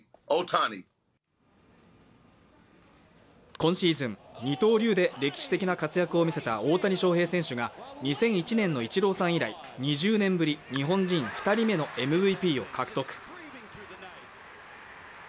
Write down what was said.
今シーズン、二刀流で歴史的な活躍を見せた大谷翔平選手が２００１年のイチローさん以来２０年ぶり、日本人２人目のＭＶＰを獲得。